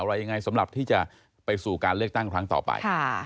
อะไรยังไงสำหรับที่จะไปสู่การเลือกตั้งครั้งต่อไป